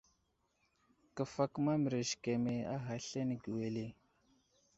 Kəfakuma mərez keme a ghay aslane wele.